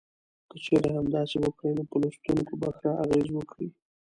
که چېرې همداسې وکړي نو په لوستونکو به ښه اغیز وکړي.